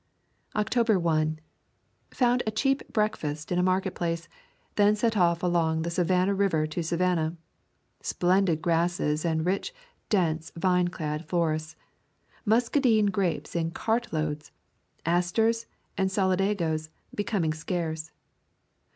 October r. Found a cheap breakfast in a market place; then set off along the Savan nah River to Savannah. Splendid grasses and rich, dense, vine clad forests. Muscadine grapes in cart loads. Asters and solidagoes becoming scarce.